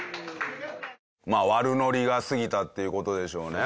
まあ悪ノリがすぎたっていう事でしょうね